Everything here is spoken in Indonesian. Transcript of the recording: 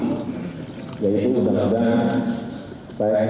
oleh sebab itu